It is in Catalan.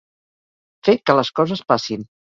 Fer que les coses passin.